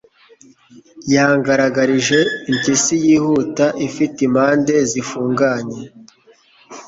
yangaragarije impyisi yihuta ifite impande zifunganye